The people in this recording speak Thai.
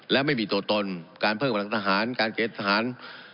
และไม่มีตัวตนการเพิ่มกำลังทหารการเกณฑ์ทหาร